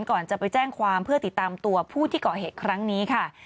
ก่อนจะไปแจ้งความเพื่อติดตามตัวผู้ที่เกาะเหตุครั้งนี้ค่ะ